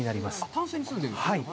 淡水にすんでいるんですか。